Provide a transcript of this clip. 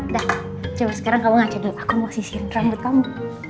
dah coba sekarang kamu ngaca dulu aku mau sisirin rambut kamu